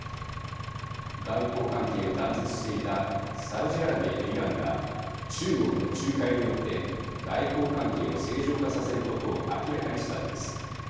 外交関係を断絶していたサウジアラビアとイランが中国の仲介によって外交関係を正常化させることを明らかにしたのです。